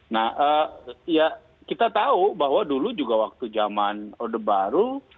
nah kita tahu bahwa dulu juga waktu jaman odeh baru